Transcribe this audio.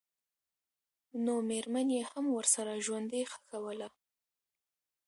نومېرمن یې هم ورسره ژوندۍ ښخوله.